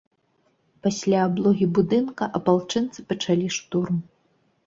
Пасля аблогі будынка апалчэнцы пачалі штурм.